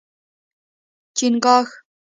🦀 چنګاښ